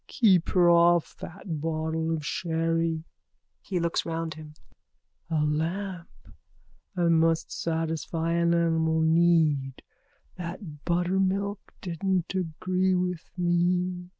Keep her off that bottle of sherry. (He looks round him.) A lamp. I must satisfy an animal need. That buttermilk didn't agree with me.